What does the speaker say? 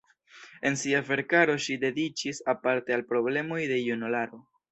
En sia verkaro ŝi dediĉis aparte al problemoj de junularo.